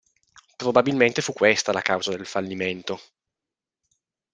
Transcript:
Probabilmente fu questa la causa del fallimento.